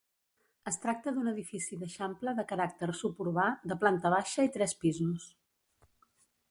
Es tracta d'un edifici d'eixample de caràcter suburbà, de planta baixa i tres pisos.